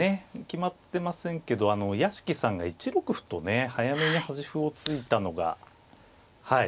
決まってませんけど屋敷さんが１六歩とね早めに端歩を突いたのがはい